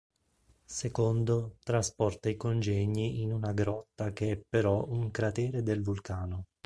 Secondo, trasporta i congegni in una grotta che è però un cratere del vulcano.